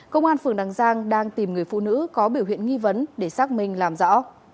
công an phường đằng giang đang tìm người phụ nữ có biểu hiện nghi vấn để xác minh làm rõ